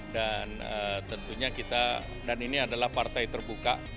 dan tentunya kita dan ini adalah partai terbuka